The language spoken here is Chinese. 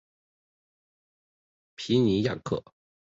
皮尼亚克。